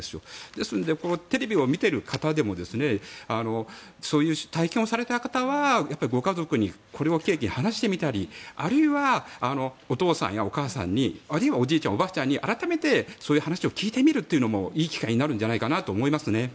ですのでテレビを見ている方でもそういう体験をされた方はご家族にこれを契機に話してみたりあるいはお父さんやお母さんにあるいはおじいちゃんおばあちゃんに改めてそういう話を聞いてみるというのもいい機会になるんじゃないかと思いますね。